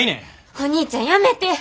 お兄ちゃんやめて。